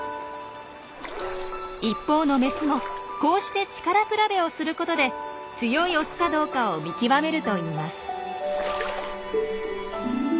一方のメスもこうして力比べをすることで強いオスかどうかを見極めるといいます。